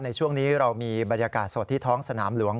ในช่วงนี้เรามีบรรยากาศสดที่ท้องสนามหลวง